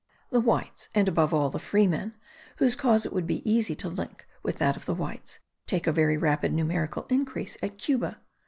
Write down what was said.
The whites, and above all, the free men, whose cause it would be easy to link with that of the whites, take a very rapid numerical increase at Cuba.